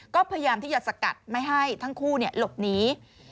ก็พยายามที่จะสกัดไม่ให้ทั้งคู่หลบหนี